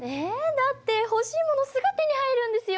だって欲しいものすぐ手に入るんですよ。